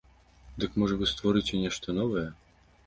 Дык можа вы створыце нешта новае?